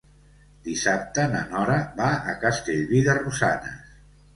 Dissabte na Nora va a Castellví de Rosanes.